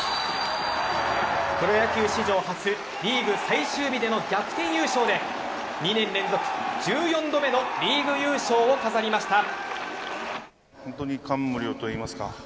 プロ野球史上初リーグ最終日での逆転優勝で２年連続１４度目のリーグ優勝を飾りました。